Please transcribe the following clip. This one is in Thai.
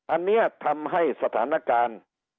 อันนี้ทำให้สถานการณ์